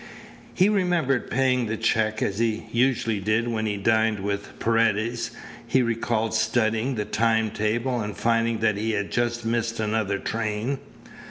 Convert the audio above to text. He remembered paying the check, as he usually did when he dined with Paredes. He recalled studying the time table and finding that he had just missed another train.